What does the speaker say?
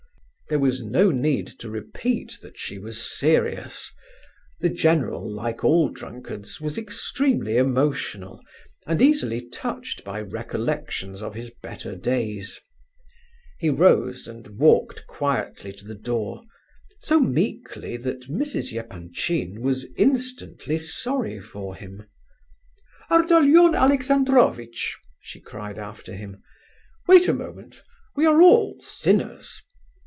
There was no need to repeat that she was serious. The general, like all drunkards, was extremely emotional and easily touched by recollections of his better days. He rose and walked quietly to the door, so meekly that Mrs. Epanchin was instantly sorry for him. "Ardalion Alexandrovitch," she cried after him, "wait a moment, we are all sinners!